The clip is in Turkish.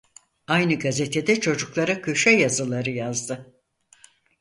Aynı gazetede çocuklara köşe yazıları yazdı.